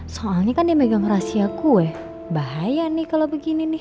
soalnya kan dia megang rahasiaku ya bahaya nih kalo begini nih